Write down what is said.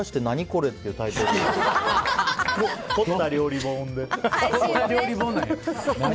凝った料理本で。